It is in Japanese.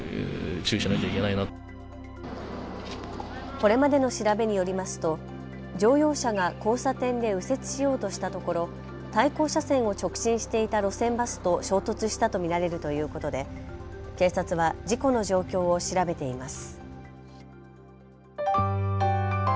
これまでの調べによりますと乗用車が交差点で右折しようとしたところ対向車線を直進していた路線バスと衝突したと見られるということで警察は事故の状況を調べています。